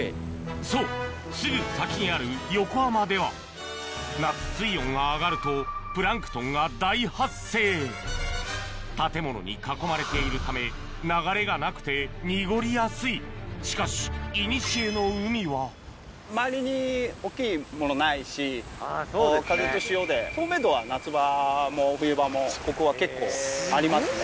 そうすぐ先にある横浜では夏水温が上がるとプランクトンが大発生建物に囲まれているため流れがなくて濁りやすいしかしいにしえの海は周りに大っきいものないし風と潮で透明度は夏場も冬場もここは結構ありますね。